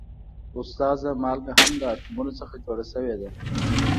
استاده مالګه هم له اتومونو څخه جوړه شوې ده